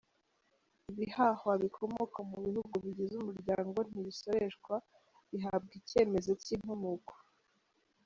Ibihahwa bikomoka mu bihugu bigize umuryango ntibisoreshwa, bihabwa icyemezo cy’inkomoko.